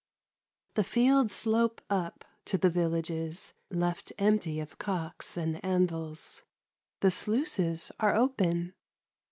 The fields slope up to the villages, left empty of cocks and anvils. The sluices are open.